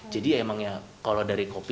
jadi emangnya kalau dari kopi